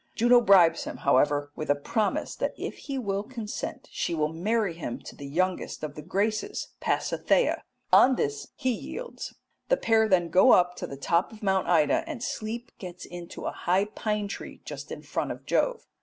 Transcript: Juno bribes him, however, with a promise that if he will consent she will marry him to the youngest of the Graces, Pasithea. On this he yields; the pair then go up to the top of Mount Ida, and Sleep gets into a high pine tree just in front of Jove.